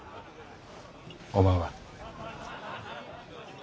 おまんは？